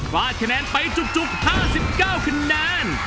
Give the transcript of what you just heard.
วาดคะแนนไปจุก๕๙คะแนน